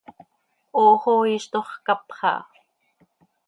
Hoox oo iiztox caapxa ha.